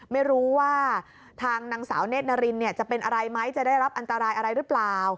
ไม่รู้ว่าทางนางสาวเนธนารินจะเป็นอะไรไหมจะได้รับอันตรายอะไรหรือเปล่า